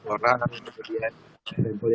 sepuluh orang kemudian